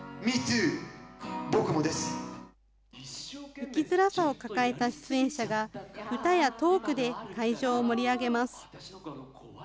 生きづらさを抱えた出演者が、歌やトークで会場を盛り上げます。